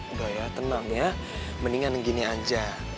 enggak ya tenang ya mendingan gini aja